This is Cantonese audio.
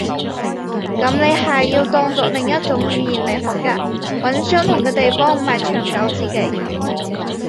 噉你係要當做另一種語言來學嘅。揾相同嘅地方唔係長久之計